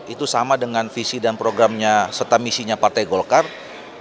itu sama dengan visi dan programnya serta misinya partai golkar